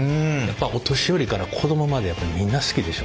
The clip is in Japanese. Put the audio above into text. お年寄りから子供までみんな好きでしょ。